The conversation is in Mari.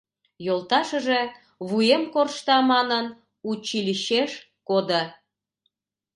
Йолташыже, «Вуем коршта» манын, училищеш кодо.